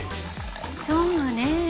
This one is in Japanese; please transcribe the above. そうねえ。